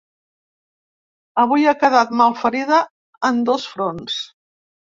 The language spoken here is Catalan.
Avui ha quedat malferida en dos fronts.